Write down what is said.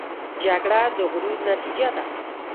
جګړه د غرور نتیجه ده